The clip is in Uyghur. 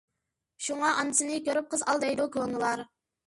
شۇڭا، «ئانىسىنى كۆرۈپ قىز ئال» دەيدۇ كونىلار.